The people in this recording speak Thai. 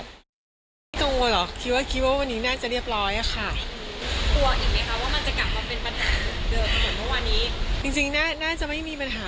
สบายใจไหมสบายใจ